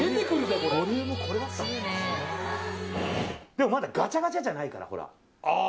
でもまだガチャガチャじゃないから。